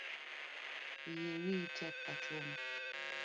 Yie wiyi tek ka chuma